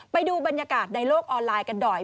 ไปดูบรรยากาศในโลกออนไลน์กันหน่อย